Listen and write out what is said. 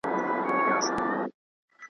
په ښاخلو کي یې جوړ کړي وه کورونه .